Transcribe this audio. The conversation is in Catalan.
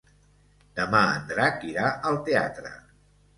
Demà en Drac irà al teatre.